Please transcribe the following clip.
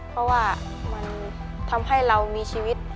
เพราะว่ามันทำให้เรามีชีวิต